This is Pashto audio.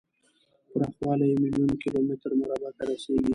پراخوالی یې میلیون کیلو متر مربع ته رسیږي.